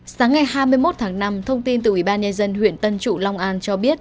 sáng ngày hai mươi một tháng năm thông tin từ ủy ban nhân dân huyện tân trụ long an cho biết